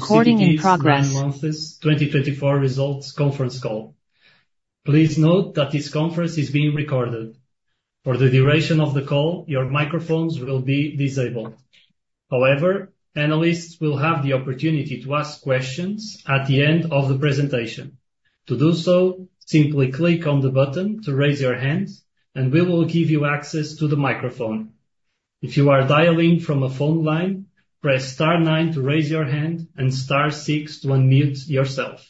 Recording in progress. João Carlos Sousa, Guy Pacheco, João Carlos Sousa, 2024 results conference call. Please note that this conference is being recorded. For the duration of the call, your microphones will be disabled. However, analysts will have the opportunity to ask questions at the end of the presentation. To do so, simply click on the button to raise your hand, and we will give you access to the microphone. If you are dialing from a phone line, press star 9 to raise your hand and star 6 to unmute yourself.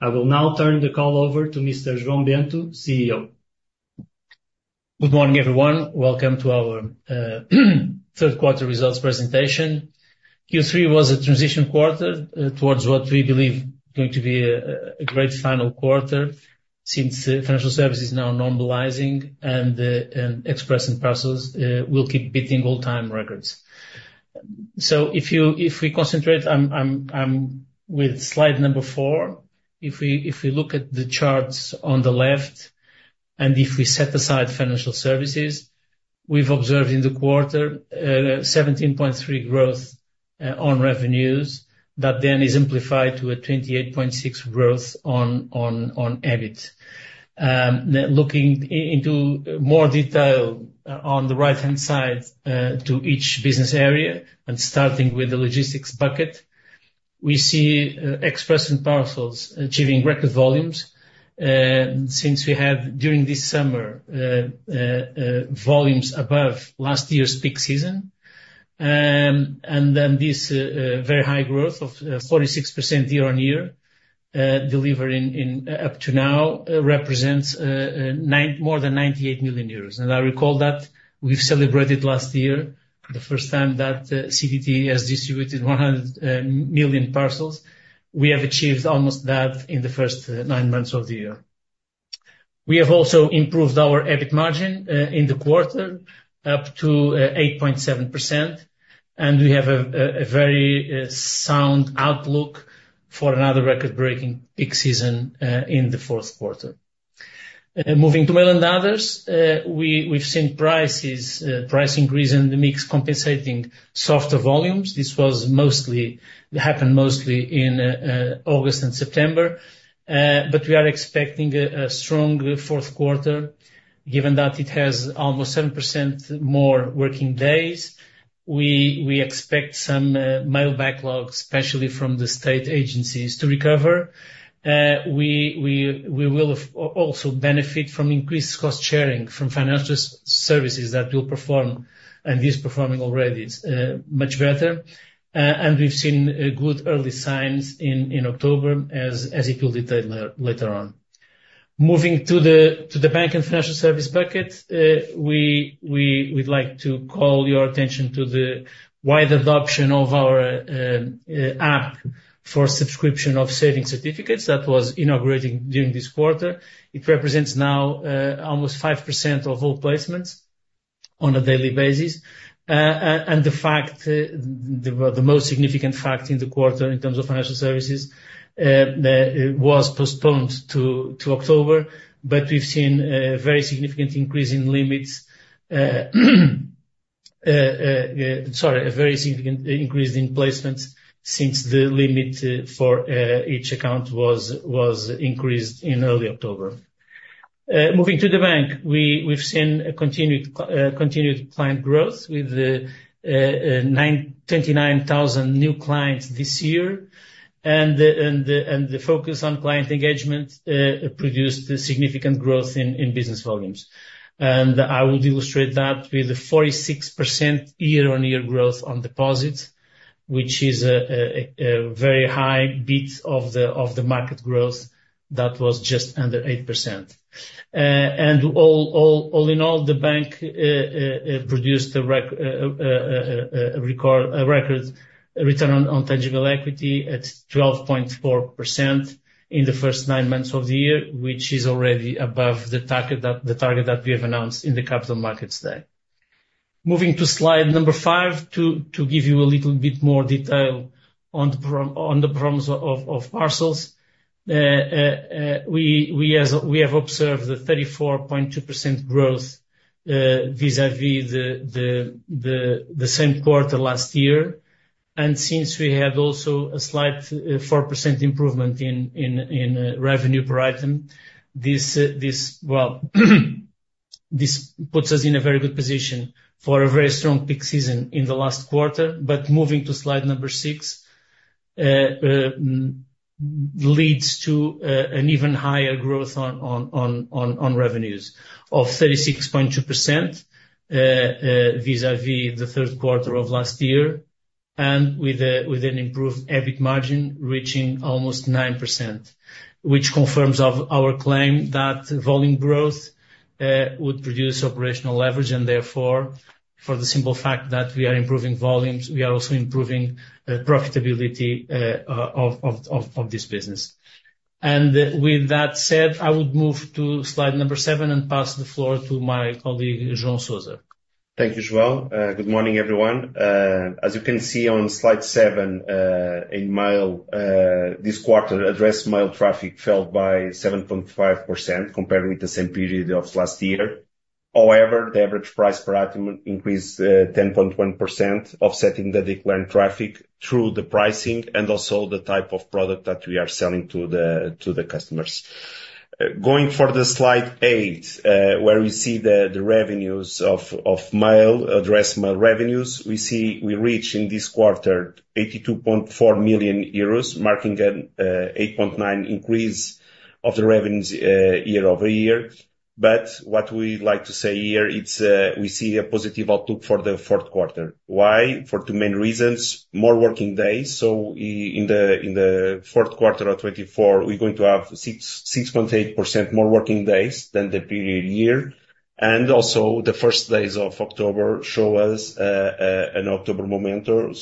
I will now turn the call over to Mr. João Bento, CEO. Good morning, everyone. Welcome to our third quarter results presentation. Q3 was a transition quarter towards what we believe is going to be a great final quarter since financial services are now normalizing, and express and parcels will keep beating all-time records. So if we concentrate, I'm with slide number four. If we look at the charts on the left, and if we set aside financial services, we've observed in the quarter 17.3% growth on revenues that then is simplified to a 28.6% growth on EBIT. Looking into more detail on the right-hand side to each business area, and starting with the logistics bucket, we see express and parcels achieving record volumes since we had during this summer volumes above last year's peak season. And then this very high growth of 46% year-on-year delivery up to now represents more than 98 million euros. I recall that we've celebrated last year the first time that CTT has distributed 100 million parcels. We have achieved almost that in the first nine months of the year. We have also improved our EBIT margin in the quarter up to 8.7%, and we have a very sound outlook for another record-breaking peak season in the fourth quarter. Moving to Mail & Other, we've seen price increase and mix compensating soft volumes. This happened mostly in August and September, but we are expecting a strong fourth quarter. Given that it has almost 7% more working days, we expect some mail backlog, especially from the state agencies, to recover. We will also benefit from increased cost sharing from financial services that will perform, and is performing already, much better. We've seen good early signs in October, as it will detail later on. Moving to the bank and financial service bucket, we'd like to call your attention to the wide adoption of our app for subscription of savings certificates that was inaugurated during this quarter. It represents now almost five% of all placements on a daily basis. And the most significant fact in the quarter in terms of financial services was postponed to October, but we've seen a very significant increase in limits, sorry, a very significant increase in placements since the limit for each account was increased in early October. Moving to the bank, we've seen continued client growth with 29,000 new clients this year, and the focus on client engagement produced significant growth in business volumes. And I will illustrate that with a 46% year-on-year growth on deposits, which is a very high beat of the market growth that was just under eight%. All in all, the bank produced a record Return on Tangible Equity at 12.4% in the first nine months of the year, which is already above the target that we have announced in the capital markets today. Moving to slide number five to give you a little bit more detail on the performance of parcels, we have observed the 34.2% growth vis-à-vis the same quarter last year. Since we had also a slight 4% improvement in revenue per item, this puts us in a very good position for a very strong peak season in the last quarter. Moving to slide number six leads to an even higher growth on revenues of 36.2% vis-à-vis the third quarter of last year, and with an improved EBIT margin reaching almost 9%, which confirms our claim that volume growth would produce operational leverage. And therefore, for the simple fact that we are improving volumes, we are also improving profitability of this business. And with that said, I would move to slide number seven and pass the floor to my colleague João Sousa. Thank you, João. Good morning, everyone. As you can see on slide seven, this quarter addressed mail traffic fell by 7.5% compared with the same period of last year. However, the average price per item increased 10.1%, offsetting the declared traffic through the pricing and also the type of product that we are selling to the customers. Going for the slide eight, where we see the revenues of mail, addressed mail revenues, we see we reached in this quarter 82.4 million euros, marking an 8.9% increase of the revenues year over year. But what we'd like to say here, we see a positive outlook for the fourth quarter. Why? For two main reasons: more working days. So in the fourth quarter of 2024, we're going to have 6.8% more working days than the previous year. And also, the first days of October show us an October momentum,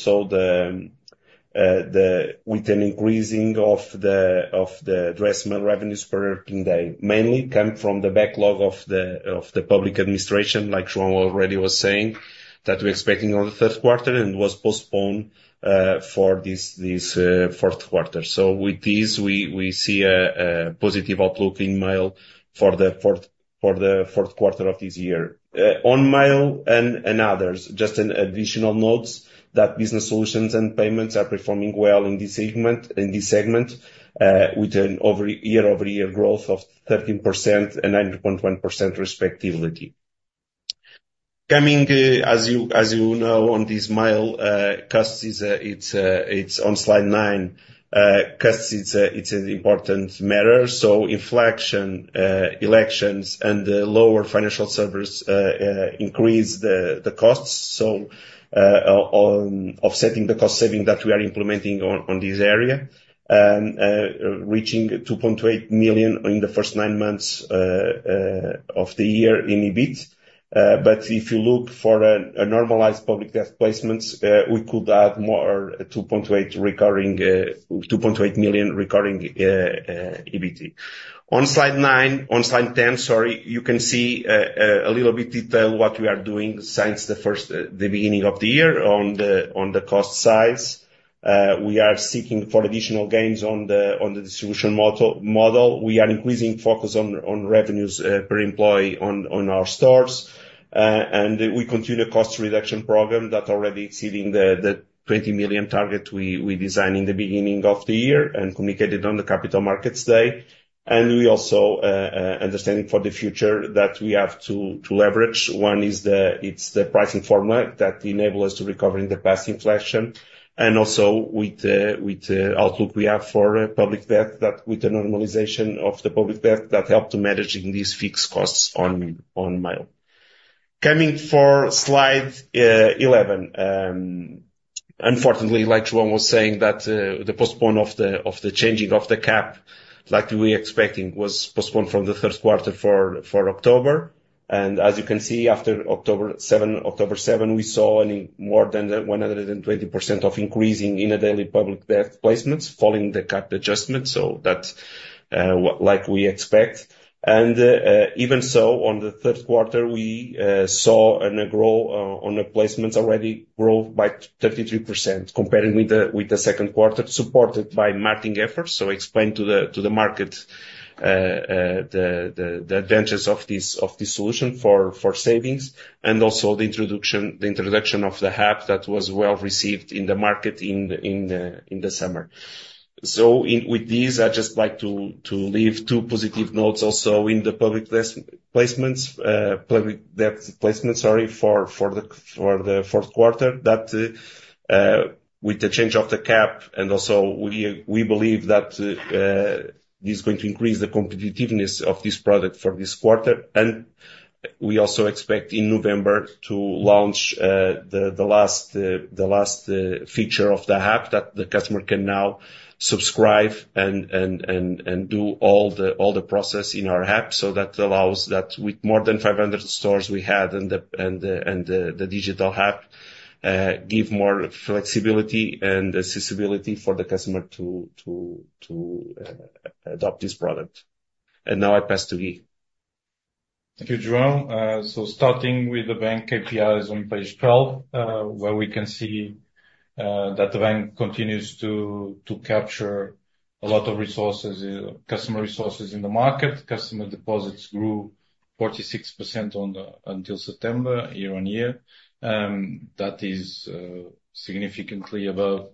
with an increase of the Address mail revenues per working day, mainly coming from the backlog of the public administration, like João already was saying, that we're expecting in the third quarter and was postponed for this fourth quarter. With this, we see a positive outlook in mail for the fourth quarter of this year. On mail and others, just an additional note that business solutions and payments are performing well in this segment, with a year-over-year growth of 13% and 9.1% respectively. Coming, as you know, on this mail, it's on slide nine. Cost is an important matter. Inflation, elections, and lower financial service increase the costs, offsetting the cost saving that we are implementing in this area, reaching 2.8 million in the first nine months of the year in EBIT. But if you look for a normalized public debt placements, we could add more 2.8 million recurring EBIT. On slide 10, sorry, you can see a little bit detail what we are doing since the beginning of the year on the cost side. We are seeking for additional gains on the distribution model. We are increasing focus on revenues per employee on our stores. And we continue the cost reduction program that's already exceeding the 20 million target we designed in the beginning of the year and communicated on the Capital Markets Day. And we also understand for the future that we have to leverage. One is the pricing formula that enables us to recover in the past inflation. And also with the outlook we have for public debt, that with the normalization of the public debt, that helped to manage these fixed costs on mail. Coming to slide 11, unfortunately, like João was saying, the postponement of the changing of the cap that we were expecting was postponed from the third quarter to October. And as you can see, after October 7, we saw more than 120% increase in daily public debt placements, following the cap adjustment, so that's like we expect. And even so, in the third quarter, we saw a growth in the placements already grow by 33% compared with the second quarter, supported by marketing efforts. So explain to the market the advantages of this solution for savings and also the introduction of the app that was well received in the market in the summer. So, with these, I'd just like to leave two positive notes also in the public debt placements for the fourth quarter, that with the change of the cap, and also we believe that this is going to increase the competitiveness of this product for this quarter. And we also expect in November to launch the last feature of the app that the customer can now subscribe and do all the process in our app. So that allows that with more than 500 stores we had and the digital app gives more flexibility and accessibility for the customer to adopt this product. And now I pass to Guy. Thank you, João. Starting with the bank KPIs on page 12, where we can see that the bank continues to capture a lot of resources, customer resources in the market. Customer deposits grew 46% until September year-on-year. That is significantly above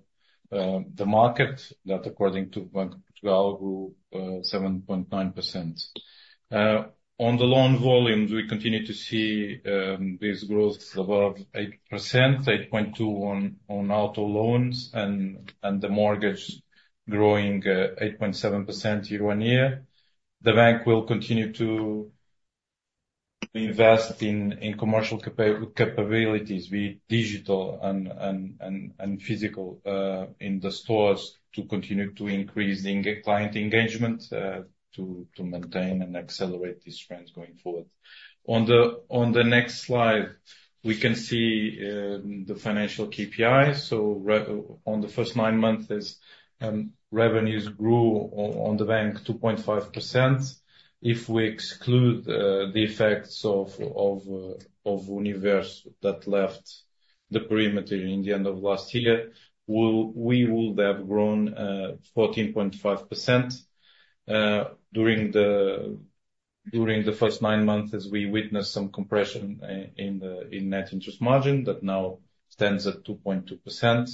the market, that according to Bank of Portugal, grew 7.9%. On the loan volumes, we continue to see this growth above 8%, 8.2% on auto loans, and the mortgages growing 8.7% year-on-year. The bank will continue to invest in commercial capabilities, be it digital and physical, in the stores to continue to increase client engagement to maintain and accelerate these trends going forward. On the next slide, we can see the financial KPIs. On the first nine months, revenues grew on the bank 2.5%. If we exclude the effects of Universo that left the perimeter in the end of last year, we would have grown 14.5% during the first nine months as we witnessed some compression in net interest margin that now stands at 2.2%.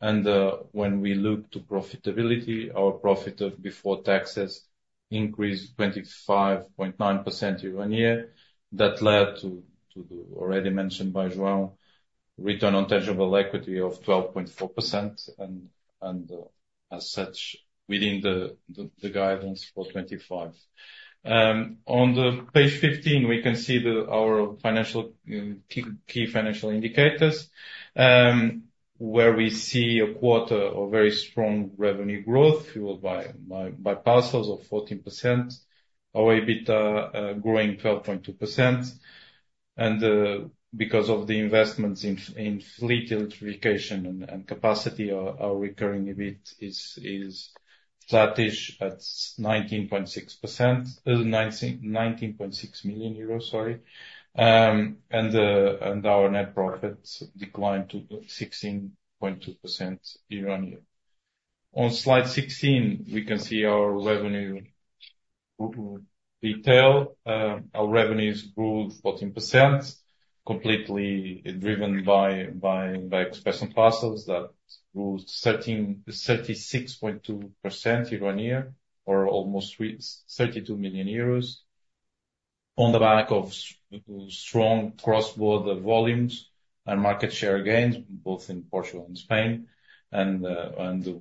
And when we look to profitability, our profit before taxes increased 25.9% year-on-year. That led to the already mentioned by João return on tangible equity of 12.4%, and as such, within the guidance for 2025. On the page 15, we can see our key financial indicators, where we see a quarter of very strong revenue growth fueled by parcels of 14%, our EBIT growing 12.2%. And because of the investments in fleet electrification and capacity, our recurring EBIT is flattish at 19.6 million euros, sorry. And our net profit declined to 16.2% year-on-year. On slide 16, we can see our revenue detail. Our revenues grew 14%, completely driven by express and parcels that grew 36.2% year-on-year, or almost 32 million euros, on the back of strong cross-border volumes and market share gains, both in Portugal and Spain, and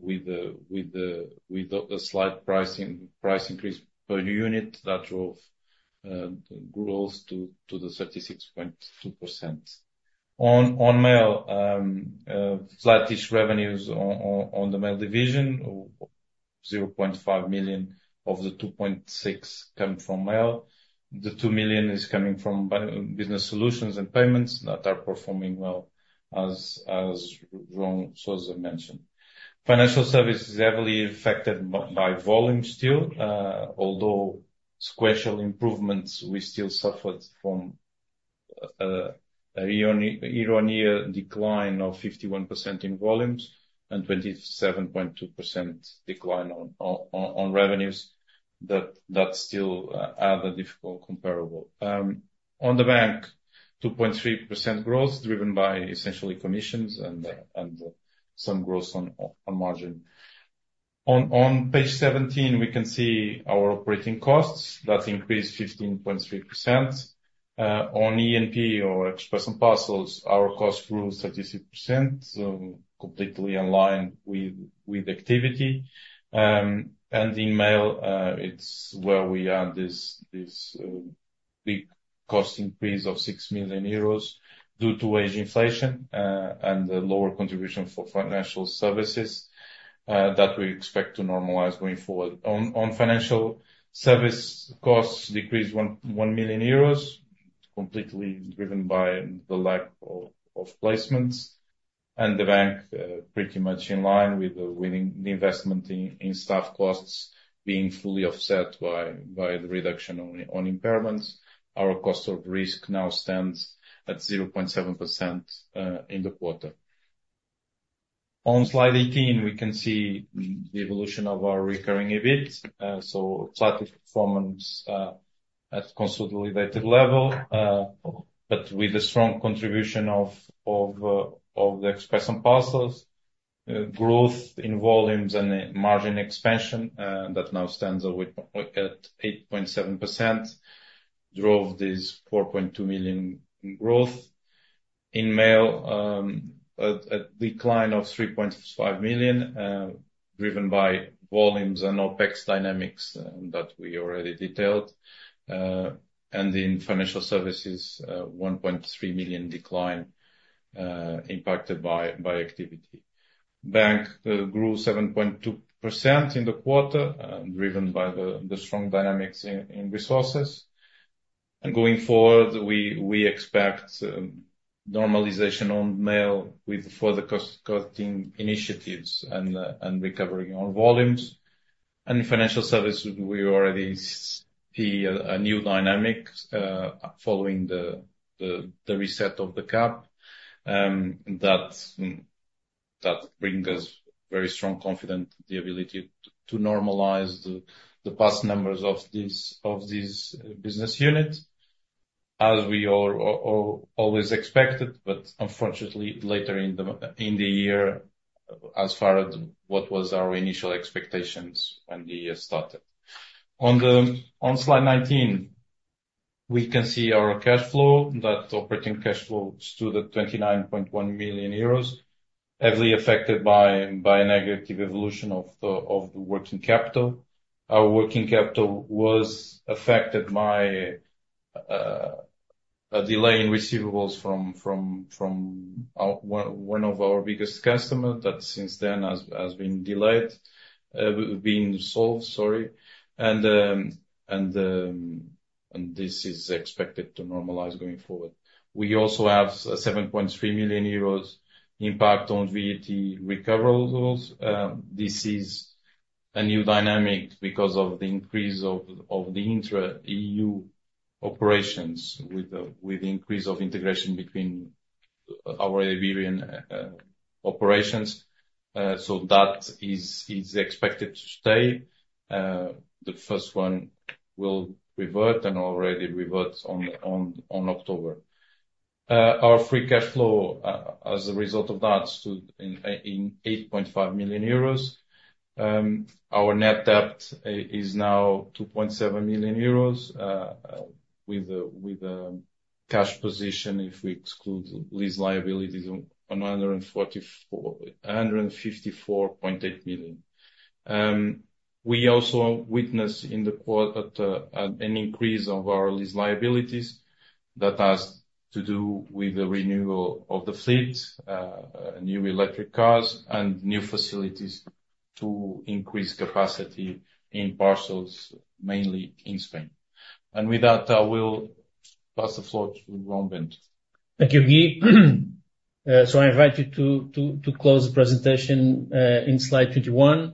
with a slight price increase per unit that drove growth to the 36.2%. On mail, flattish revenues on the mail division, 0.5 million of the 2.6% come from mail. The 2 million is coming from business solutions and payments that are performing well, as João Sousa mentioned. Financial Services is heavily affected by volume still, although sequential improvements, we still suffered from a year-on-year decline of 51% in volumes and 27.2% decline on revenues that still are the difficult comparable. On the bank, 2.3% growth driven by essentially commissions and some growth on margin. On page 17, we can see our operating costs that increased 15.3%. On E&P or express parcels, our cost grew 33%, completely aligned with activity. In mail, it's where we had this big cost increase of 6 million euros due to wage inflation and the lower contribution for financial services that we expect to normalize going forward. On financial services, costs decreased 1 million euros, completely driven by the lack of placements. The bank, pretty much in line with the investment in staff costs being fully offset by the reduction on impairments, our cost of risk now stands at 0.7% in the quarter. On slide 18, we can see the evolution of our recurring EBIT. Flat performance at consolidated level, but with a strong contribution of the express parcels. Growth in volumes and margin expansion that now stands at 8.7% drove this 4.2 million growth. In mail, a decline of 3.5 million EUR driven by volumes and OPEX dynamics that we already detailed. And in financial services, 1.3 million EUR decline impacted by activity. Bank grew 7.2% in the quarter, driven by the strong dynamics in resources. And going forward, we expect normalization on mail with further cost-cutting initiatives and recovering on volumes. And in financial services, we already see a new dynamic following the reset of the cap that brings us very strong confidence in the ability to normalize the past numbers of this business unit, as we always expected, but unfortunately, later in the year, as far as what was our initial expectations when the year started. On slide 19, we can see our cash flow. That operating cash flow stood at 29.1 million euros, heavily affected by a negative evolution of the working capital. Our working capital was affected by a delay in receivables from one of our biggest customers that since then has been solved, sorry. And this is expected to normalize going forward. We also have 7.3 million euros impact on VAT recoverables. This is a new dynamic because of the increase of the intra-EU operations with the increase of integration between our Iberian operations. So that is expected to stay. The first one will revert and already reverted on October. Our free cash flow, as a result of that, stood in 8.5 million euros. Our net debt is now 2.7 million euros with a cash position if we exclude lease liabilities on 154.8 million. We also witnessed in the quarter an increase of our lease liabilities that has to do with the renewal of the fleet, new electric cars, and new facilities to increase capacity in parcels, mainly in Spain. With that, I will pass the floor to João Bento. Thank you, Guy. So I invite you to close the presentation in slide 21.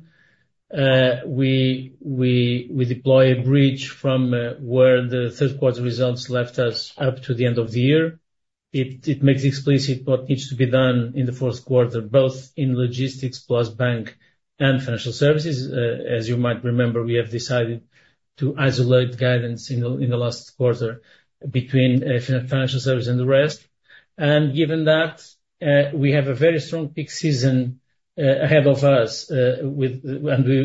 We deploy a bridge from where the third quarter results left us up to the end of the year. It makes explicit what needs to be done in the fourth quarter, both in logistics plus bank and financial services. As you might remember, we have decided to isolate guidance in the last quarter between financial services and the rest. And given that, we have a very strong peak season ahead of us, and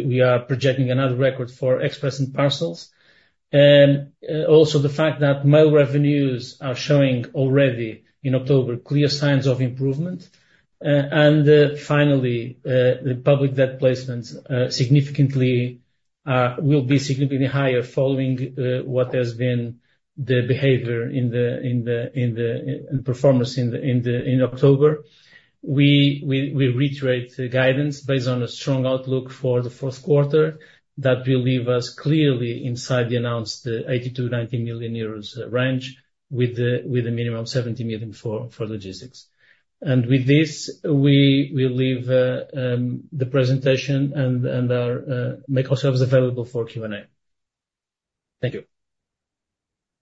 we are projecting another record for express parcels. Also, the fact that mail revenues are showing, already in October, clear signs of improvement. And finally, the public debt placements will be significantly higher following what has been the behavior in the performance in October. We reiterate the guidance based on a strong outlook for the fourth quarter that will leave us clearly inside the announced 80 million-90 million euros range with a minimum of 70 million for logistics. And with this, we leave the presentation and make ourselves available for Q&A. Thank you.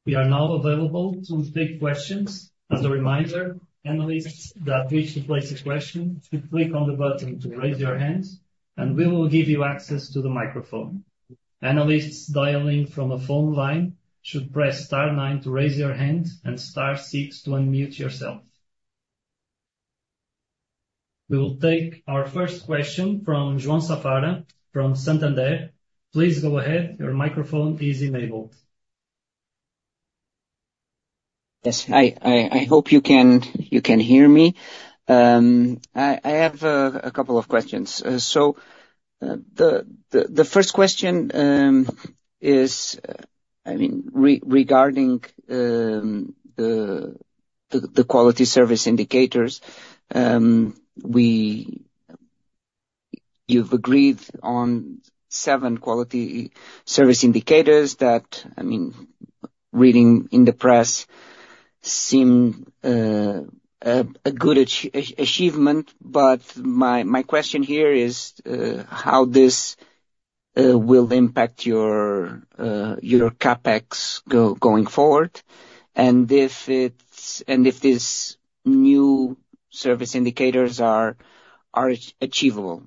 We are now available to take questions. As a reminder, analysts that wish to place a question should click on the button to raise your hand, and we will give you access to the microphone. Analysts dialing from a phone line should press star 9 to raise your hand and star 6 to unmute yourself. We will take our first question from João Safara, from Santander. Please go ahead. Your microphone is enabled. Yes. I hope you can hear me. I have a couple of questions. So the first question is regarding the quality service indicators. You've agreed on seven quality service indicators that, I mean, reading in the press seem a good achievement. But my question here is how this will impact your CapEx going forward, and if these new service indicators are achievable,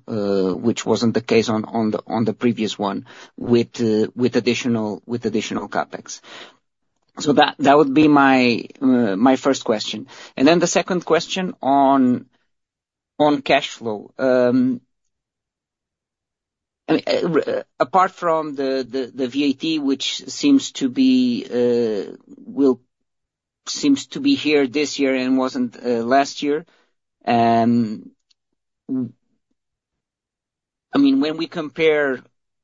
which wasn't the case on the previous one with additional CapEx. So that would be my first question. And then the second question on cash flow. Apart from the VAT, which seems to be here this year and wasn't last year, I mean, when we compare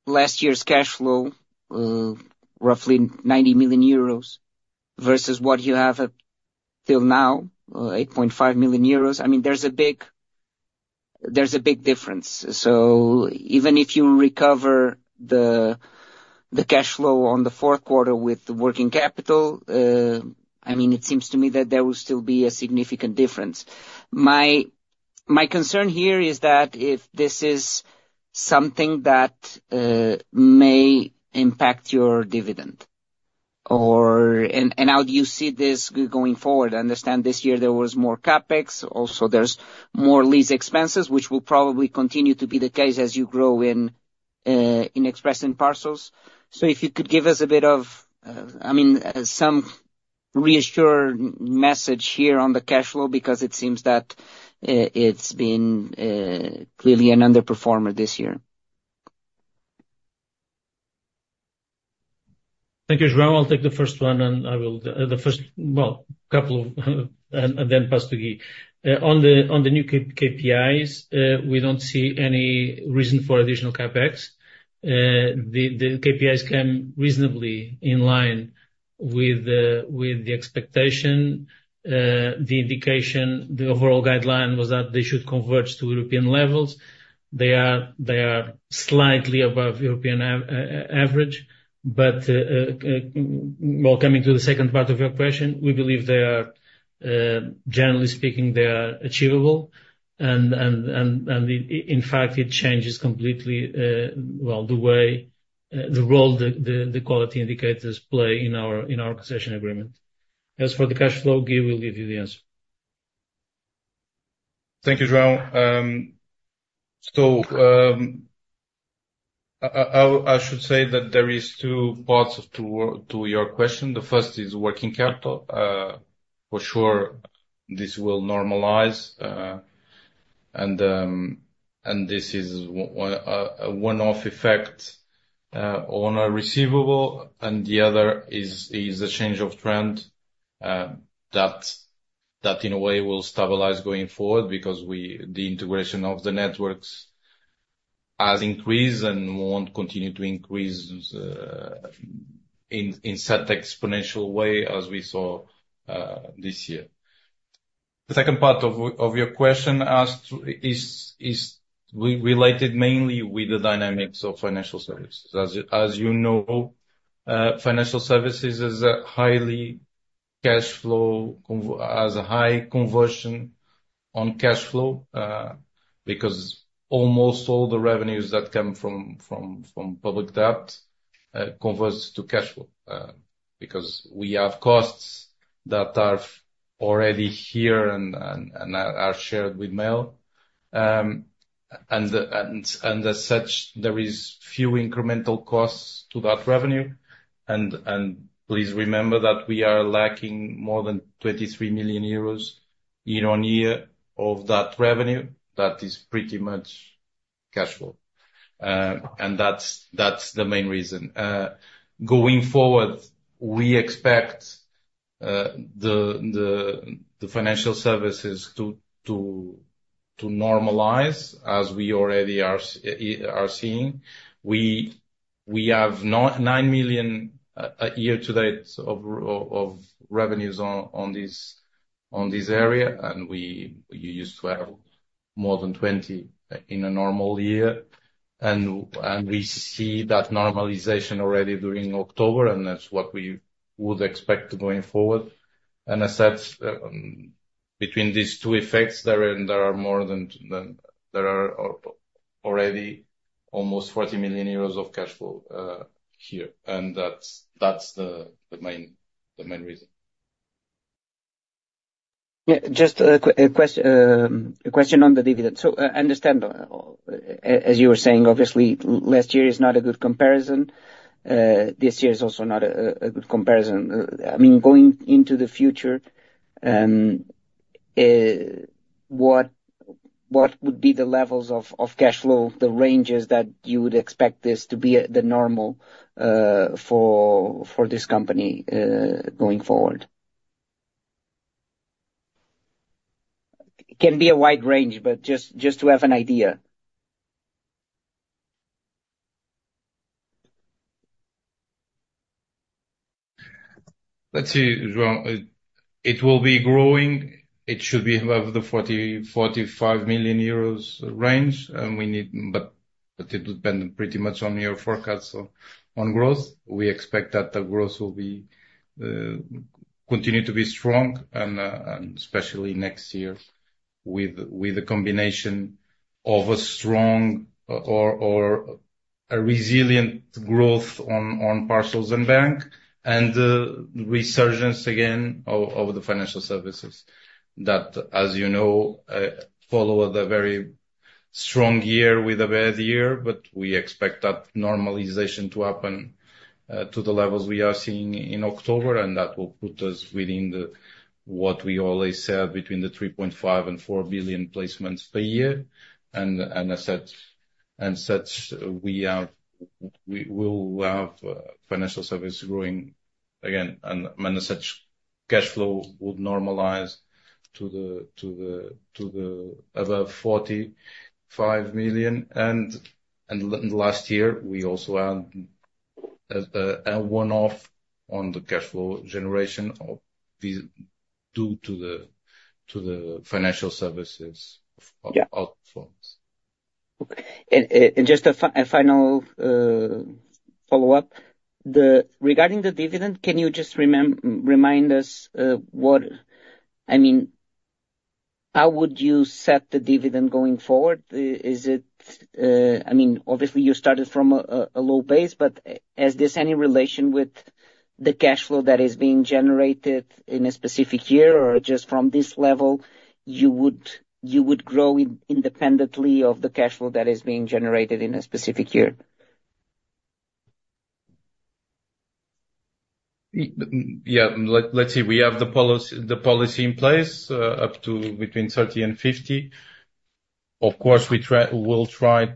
last year's cash flow, roughly 90 million euros versus what you have till now, 8.5 million euros, I mean, there's a big difference. So even if you recover the cash flow on the fourth quarter with the working capital, I mean, it seems to me that there will still be a significant difference. My concern here is that if this is something that may impact your dividend, and how do you see this going forward? I understand this year there was more CAPEX. Also, there's more lease expenses, which will probably continue to be the case as you grow in express parcels. So if you could give us a bit of, I mean, some reassuring message here on the cash flow because it seems that it's been clearly an underperformer this year. Thank you, João. I'll take the first one, and the first couple of, and then pass to Guy. On the new KPIs, we don't see any reason for additional CAPEX. The KPIs come reasonably in line with the expectation. The indication, the overall guideline was that they should converge to European levels. They are slightly above European average. But while coming to the second part of your question, we believe they are, generally speaking, achievable. And in fact, it changes completely, well, the role the quality indicators play in our concession agreement. As for the cash flow, Guy will give you the answer. Thank you, João. I should say that there are two parts to your question. The first is working capital. For sure, this will normalize. This is a one-off effect on our receivable. The other is a change of trend that, in a way, will stabilize going forward because the integration of the networks has increased and won't continue to increase in such an exponential way as we saw this year. The second part of your question is related mainly with the dynamics of financial services. As you know, financial services has a high conversion on cash flow because almost all the revenues that come from public debt converts to cash flow because we have costs that are already here and are shared with mail. And as such, there are few incremental costs to that revenue. Please remember that we are lacking more than 23 million euros year on year of that revenue. That is pretty much cash flow. That's the main reason. Going forward, we expect the financial services to normalize as we already are seeing. We have 9 million year to date of revenues on this area, and we used to have more than 20 million in a normal year. We see that normalization already during October, and that's what we would expect going forward. As such, between these two effects, there are more than there are already almost 40 million euros of cash flow here. That's the main reason. Yeah. Just a question on the dividend. So I understand, as you were saying, obviously, last year is not a good comparison. This year is also not a good comparison. I mean, going into the future, what would be the levels of cash flow, the ranges that you would expect this to be the normal for this company going forward? It can be a wide range, but just to have an idea. Let's see, João. It will be growing. It should be above the 45 million euros range. But it depends pretty much on your forecast on growth. We expect that the growth will continue to be strong, and especially next year with a combination of a strong or a resilient growth on parcels and bank and resurgence again of the financial services that, as you know, followed a very strong year with a bad year. But we expect that normalization to happen to the levels we are seeing in October, and that will put us within what we always said, between the 3.5 and 4 billion placements per year. And as such, we will have financial services growing again. And as such, cash flow would normalize to the above 45 million. And last year, we also had a one-off on the cash flow generation due to the financial services outflows. Okay. And just a final follow-up. Regarding the dividend, can you just remind us what, I mean, how would you set the dividend going forward? I mean, obviously, you started from a low base, but is this any relation with the cash flow that is being generated in a specific year or just from this level you would grow independently of the cash flow that is being generated in a specific year? Yeah. Let's see. We have the policy in place up to between 30 and 50. Of course, we will try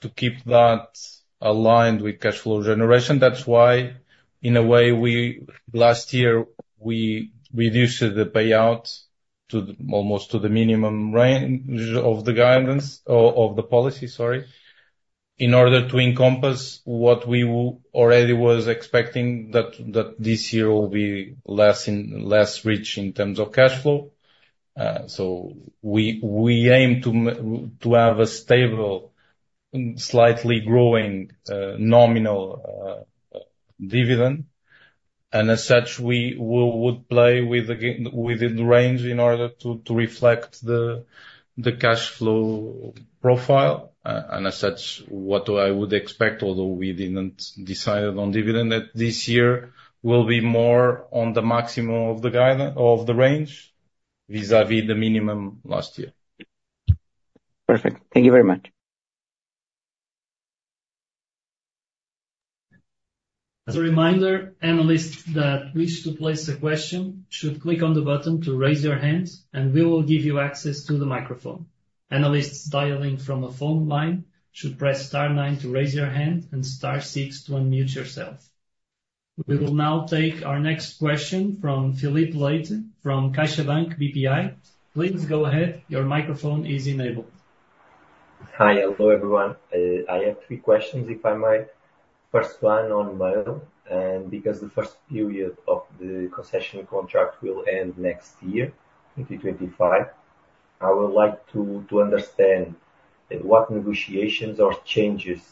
to keep that aligned with cash flow generation. That's why, in a way, last year, we reduced the payout almost to the minimum range of the guidance of the policy, sorry, in order to encompass what we already were expecting that this year will be less rich in terms of cash flow. So we aim to have a stable, slightly growing nominal dividend. And as such, we would play within the range in order to reflect the cash flow profile. And as such, what I would expect, although we didn't decide on dividend this year, will be more on the maximum of the range vis-à-vis the minimum last year. Perfect. Thank you very much. As a reminder, analysts that wish to place a question should click on the button to raise their hands, and we will give you access to the microphone. Analysts dialing from a phone line should press star 9 to raise their hand and star 6 to unmute yourself. We will now take our next question from Filipe Leite from CaixaBank BPI. Please go ahead. Your microphone is enabled. Hi. Hello, everyone. I have three questions, if I may. First one on mail, and because the first period of the concession contract will end next year, 2025, I would like to understand what negotiations or changes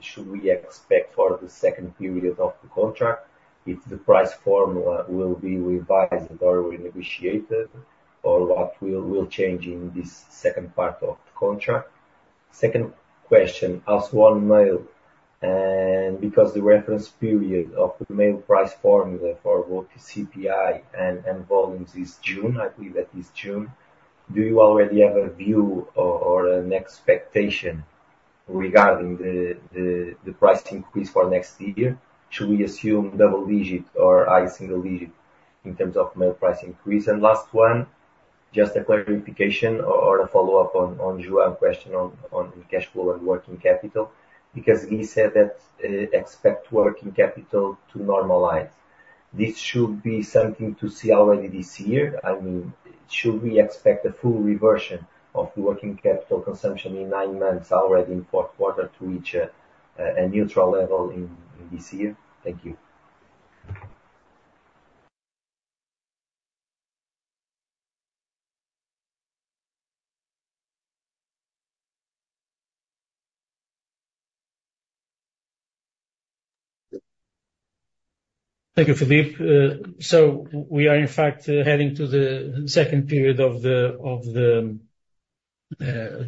should we expect for the second period of the contract if the price formula will be revised or renegotiated or what will change in this second part of the contract? Second question on mail, and because the reference period of the mail price formula for both the CPI and volumes is June, I believe that is June, do you already have a view or an expectation regarding the price increase for next year? Should we assume double-digit or high single-digit in terms of mail price increase? Last one, just a clarification or a follow-up on João's question on cash flow and working capital because Guy said that expect working capital to normalize. This should be something to see already this year. I mean, should we expect a full reversion of the working capital consumption in nine months already in fourth quarter to reach a neutral level in this year? Thank you. Thank you, Filipe. So we are, in fact, heading to the second period of the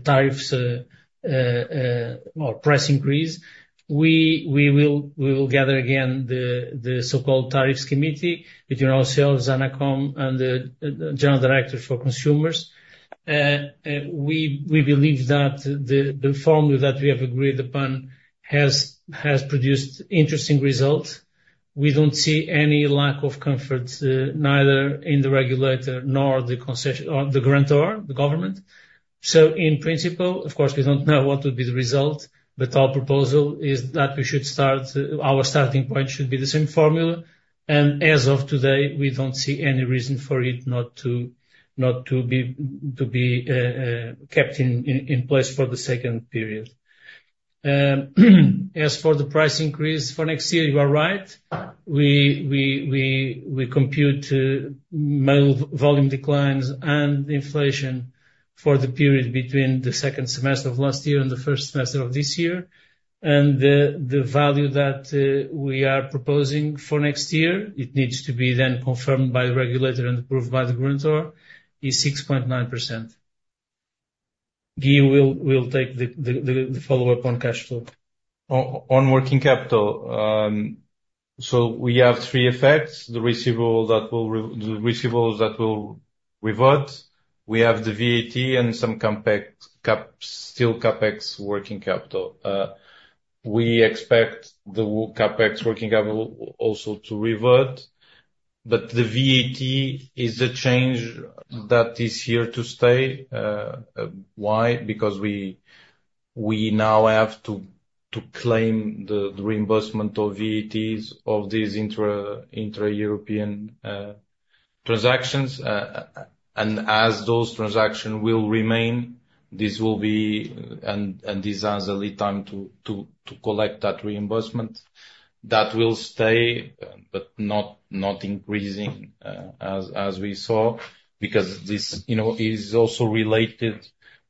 tariffs or price increase. We will gather again the so-called tariffs committee between ourselves, ANACOM, and the general director for consumers. We believe that the formula that we have agreed upon has produced interesting results. We don't see any lack of comfort, neither in the regulator nor the grantor, the government. So in principle, of course, we don't know what would be the result, but our proposal is that we should start our starting point should be the same formula. And as of today, we don't see any reason for it not to be kept in place for the second period. As for the price increase for next year, you are right. We compute mail volume declines and inflation for the period between the second semester of last year and the first semester of this year. And the value that we are proposing for next year, it needs to be then confirmed by the regulator and approved by the grantor, is 6.9%. Guy will take the follow-up on cash flow. On working capital, so we have three effects: the receivables that will revert. We have the VAT and some still CAPEX working capital. We expect the CAPEX working capital also to revert. But the VAT is a change that is here to stay. Why? Because we now have to claim the reimbursement of VATs of these intra-European transactions. And as those transactions will remain, this will be and this is the lead time to collect that reimbursement that will stay but not increasing as we saw because this is also related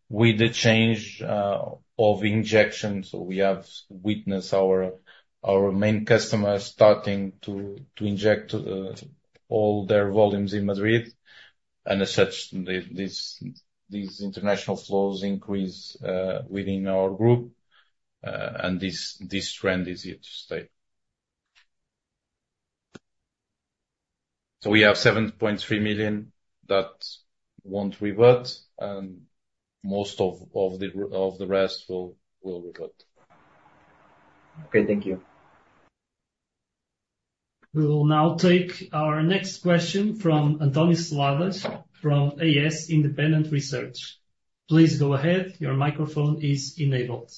with the change of injection. So we have witnessed our main customers starting to inject all their volumes in Madrid. And as such, these international flows increase within our group. And this trend is here to stay. So we have 7.3 million that won't revert, and most of the rest will revert. Okay. Thank you. We will now take our next question from António Seladas from AS Independent Research. Please go ahead. Your microphone is enabled.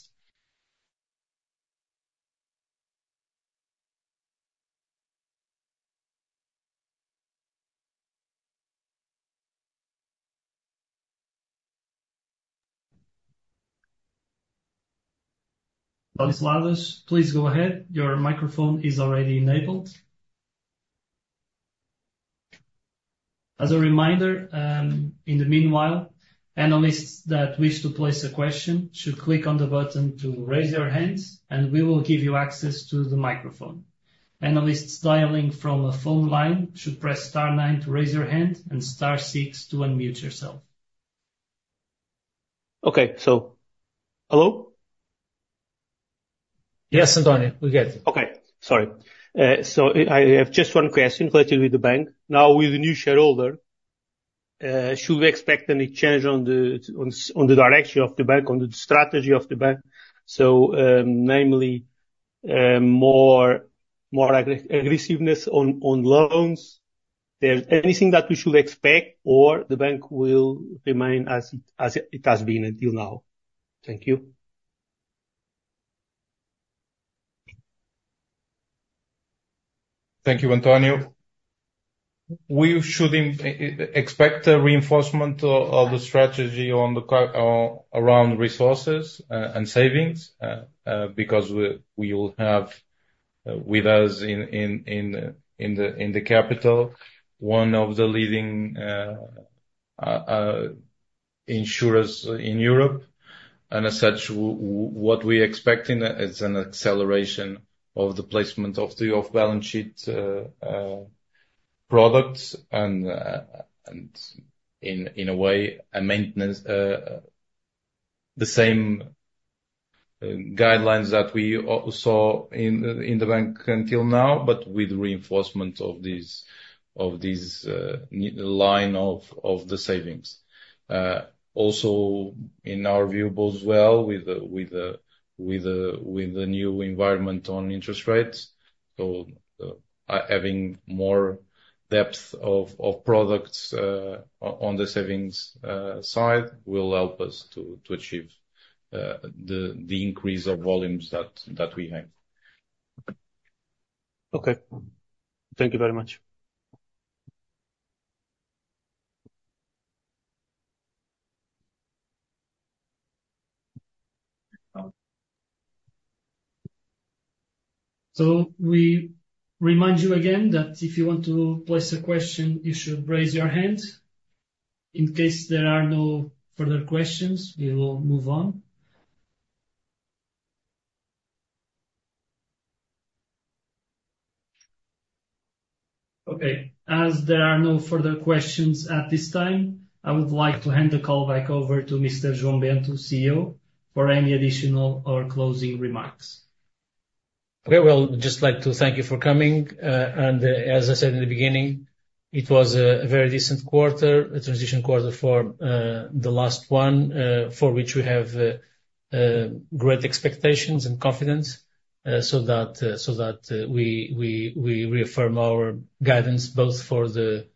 António Seladas, please go ahead. Your microphone is already enabled. As a reminder, in the meanwhile, analysts that wish to place a question should click on the button to raise their hands, and we will give you access to the microphone. Analysts dialing from a phone line should press star 9 to raise their hand and star 6 to unmute yourself. Okay. So hello? Yes, Antoni. We get you. Okay. Sorry. So I have just one question related with the bank. Now, with the new shareholder, should we expect any change on the direction of the bank, on the strategy of the bank? So namely, more aggressiveness on loans. Is there anything that we should expect, or the bank will remain as it has been until now? Thank you. Thank you, António. We should expect a reinforcement of the strategy around resources and savings because we will have with us in the capital one of the leading insurers in Europe. And as such, what we're expecting is an acceleration of the placement of the off-balance sheet products and, in a way, the same guidelines that we saw in the bank until now, but with reinforcement of this line of the savings. Also, in our view, both well with the new environment on interest rates. So having more depth of products on the savings side will help us to achieve the increase of volumes that we have. Okay. Thank you very much. So we remind you again that if you want to place a question, you should raise your hand. In case there are no further questions, we will move on. Okay. As there are no further questions at this time, I would like to hand the call back over to Mr. João Bento, CEO, for any additional or closing remarks. Okay. Well, just like to thank you for coming, and as I said in the beginning, it was a very decent quarter, a transition quarter for the last one, for which we have great expectations and confidence so that we reaffirm our guidance both for the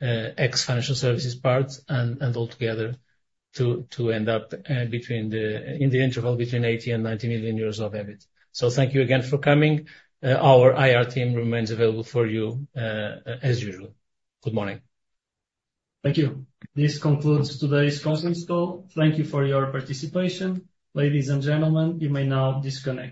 ex-financial services part and altogether to end up in the interval between 80 and 90 million euros of EBIT. So thank you again for coming. Our IR team remains available for you as usual. Good morning. Thank you. This concludes today's conference call. Thank you for your participation. Ladies and gentlemen, you may now disconnect.